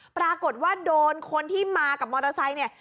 ปรากฏว่าโดนคนที่มากับมอเตอร์ไซค์เนี่ย